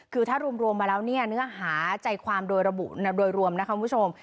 คือถ้ารวมมาแล้วเนี่ยเนื้อหาใจความโดยระบุโดยรวมนะคะคุณผู้ชม